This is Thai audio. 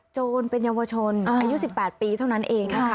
โจรเป็นเยาวชนอายุ๑๘ปีเท่านั้นเองนะคะ